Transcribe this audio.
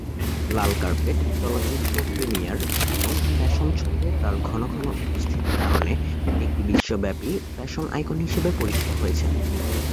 লাল carpet, চলচ্চিত্র premiere এবং fashion শোতে তার ঘনঘন উপস্থিতি কারণে একটি বিশ্বব্যাপী ফ্যাশন আইকন হিসেবে পরিচিত হয়েছেন।